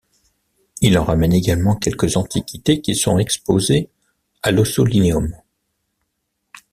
Il en ramène également quelques antiquités qui seront exposées à l’Ossolineum.